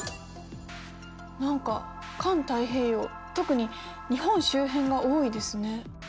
何か環太平洋特に日本周辺が多いですね。